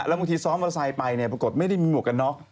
แล้วบางทีซ้อนวอเตอร์ไซส์ไปปรากฏไม่ได้มีหมวกกันน็อก